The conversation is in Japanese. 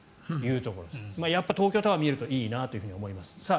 やっぱり東京タワーが見えるといいなと思います。